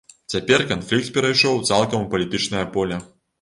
Цяпер канфлікт перайшоў цалкам у палітычнае поле.